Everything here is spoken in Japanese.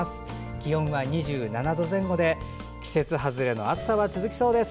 気温は２７度前後で季節外れの暑さは続きそうです。